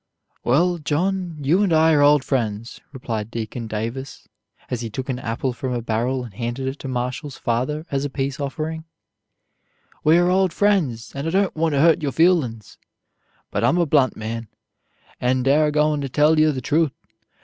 "Well, John, you and I are old friends," replied Deacon Davis, as he took an apple from a barrel and handed it to Marshall's father as a peace offering; "we are old friends, and I don't want to hurt your feelin's; but I'm a blunt man, and air goin' to tell you the truth.